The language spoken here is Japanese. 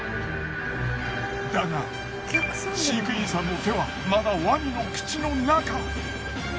だが飼育員さんの手はまだワニの口の中。